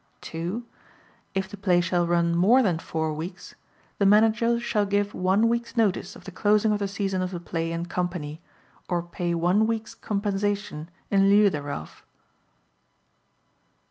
(2) If the play shall run more than four weeks, the Manager shall give one week's notice of the closing of the season of the play and company, or pay one week's compensation in lieu thereof.